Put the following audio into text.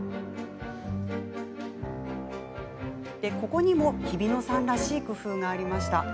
ここにも、ひびのさんらしい工夫がありました。